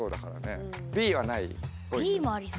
Ｂもありそう。